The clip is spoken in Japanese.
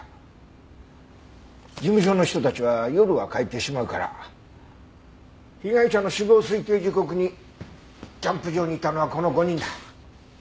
事務所の人たちは夜は帰ってしまうから被害者の死亡推定時刻にキャンプ場にいたのはこの５人だ。